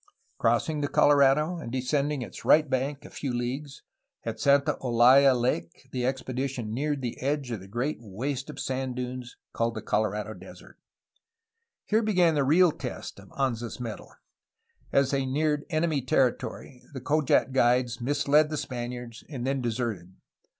Crossing the Colorado and descending its right bank a few leagues, at Santa Olaya Lake the expedition neared the edge of the great waste of sand dunes called the Colo rado Desert. "Here began the real test of Anza's mettle. As they neared memy territory the Cojat guides misled the Spaniards and then leserted.